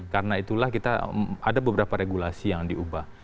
karena itulah kita ada beberapa regulasi yang diubah